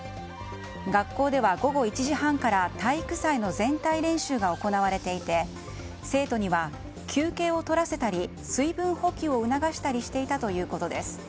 学校では午後１時半から体育祭の全体練習が行われていて生徒には休憩を取らせたり水分補給を促したりしていたということです。